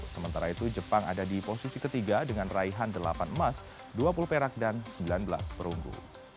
sementara itu jepang ada di posisi ketiga dengan raihan delapan emas dua puluh perak dan sembilan belas perunggu